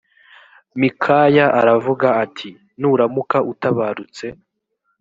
mikaya aravuga ati nuramuka utabarutse